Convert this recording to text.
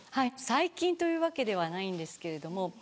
最近というわけではないんですけれども。